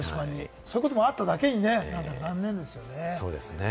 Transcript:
そういうこともあっただけにね、残念ですよね。